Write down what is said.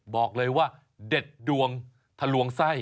บอกเลยว่าเด็ดดวงทะลวงไส้